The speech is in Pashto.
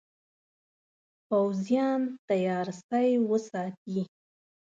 پوځیان تیار سی وساتي.